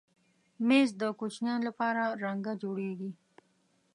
مېز د کوچنیانو لپاره رنګه جوړېږي.